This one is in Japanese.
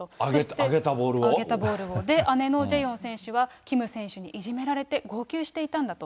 姉のジェヨン選手はキム選手にいじめられて号泣していたんだと。